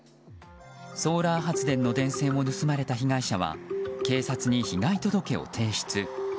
ソーラー発電の電線を盗まれた被害者は警察に被害届を提出。